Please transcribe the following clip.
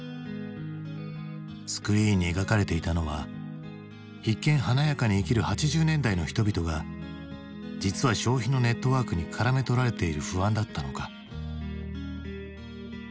スクリーンに描かれていたのは一見華やかに生きる８０年代の人々が実は消費のネットワークにからめ捕られている不安だったのか。